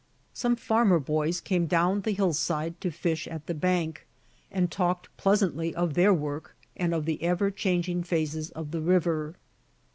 Some farmer boys came down the hillside to fish at the bank, and talked pleasantly of their work and of the ever changing phases of the river.